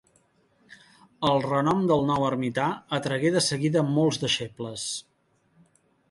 El renom del nou ermità atragué de seguida molts deixebles.